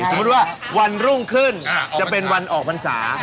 สมมุติว่าวันรุ่งขึ้นจะเป็นวันออกพรรษา